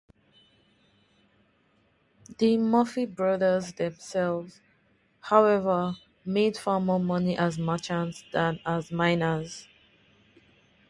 The Murphy brothers themselves, however, made far more money as merchants than as miners.